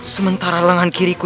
jangan pake sempat sampai ku sering